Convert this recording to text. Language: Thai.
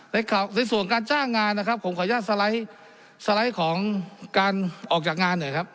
ในส่วนการจ้างงานนะครับผมขออนุญาตสไลด์สไลด์ของการออกจากงานหน่อยครับ